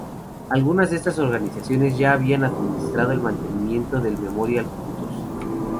Algunas de estas organizaciones ya habían administrado el mantenimiento del memorial juntos.